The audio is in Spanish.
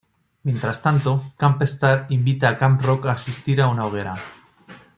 Mientras tanto, Camp Star invita a Camp Rock a asistir a una hoguera.